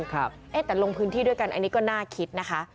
แต่ลงพื้นที่ด้วยกันอันนี้ก็น่าคิดนะคะ